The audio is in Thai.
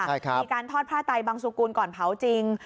ใช่ครับมีการทอดพระไตรบังสุกรุนก่อนเผาจริง